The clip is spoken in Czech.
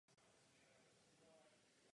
Ještě téhož dne začalo snímkování okolí.